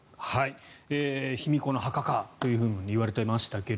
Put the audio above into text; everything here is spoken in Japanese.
卑弥呼の墓かともいわれていましたが。